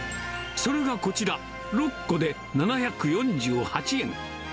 それがこちら、６個で７４８円。